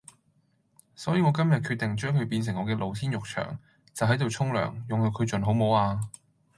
所以我今日決定將佢變成我嘅露天浴場，就喺度沖涼，用到佢盡好冇啊？